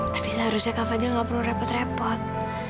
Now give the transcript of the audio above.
tapi seharusnya kak fadil gak perlu repot repot